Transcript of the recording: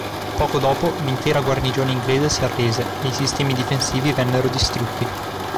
Poco dopo l'intera guarnigione inglese si arrese e i sistemi difensivi vennero distrutti.